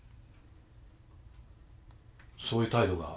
そういう態度が。